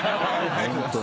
ホントに。